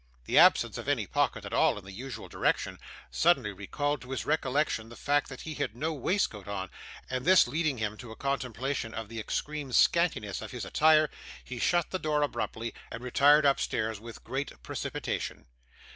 The absence of any pocket at all in the usual direction, suddenly recalled to his recollection the fact that he had no waistcoat on; and this leading him to a contemplation of the extreme scantiness of his attire, he shut the door abruptly, and retired upstairs with great precipitation.